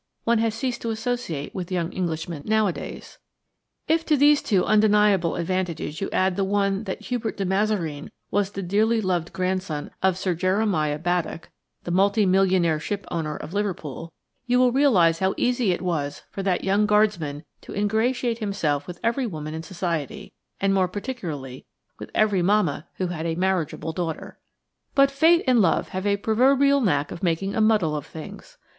one has ceased to associate with young Englishmen nowadays. If to these two undeniable advantages you add the one that Hubert de Mazareen was the dearly loved grandson of Sir Jeremiah Baddock, the multi millionaire shipowner of Liverpool, you will realize how easy it was for that young Guardsman to ingratiate himself with every woman in Society, and more particularly with every mamma who had a marriageable daughter. But Fate and Love have a proverbial knack of making a muddle of things.